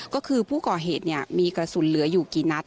ก็คือผู้ก่อเหตุมีกระสุนเหลืออยู่กี่นัด